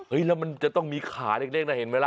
เฮ้ยแล้วจะต้องมีขาเล็กน่ะเห็นไหมละ